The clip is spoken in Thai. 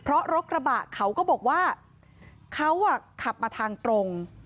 เพราะรถกระบะเขาก็บอกว่าเขาขับมาทางตรง